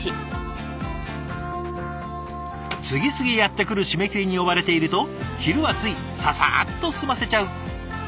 次々やってくる締め切りに追われていると昼はついささっと済ませちゃう。